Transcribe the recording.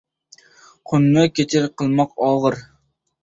Qunni kech qilmoq og‘ir.